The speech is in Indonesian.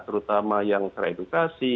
terutama yang teredukasi